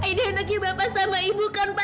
ayda anaknya bapak sama ibu kan pak